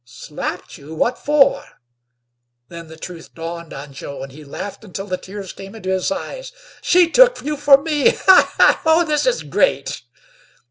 "Slapped you? What for?" Then the truth dawned on Joe, and he laughed until the tears came into his eyes. "She took you for me! Ha, ha, ha! Oh, this is great!"